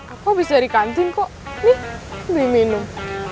aku abis dari kantin kok nih beli minum